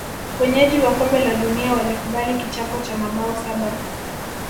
wenyeji wa kombe la dunia walikubali kichapo cha mabao saba